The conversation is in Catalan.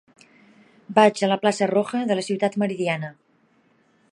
Vaig a la plaça Roja de la Ciutat Meridiana.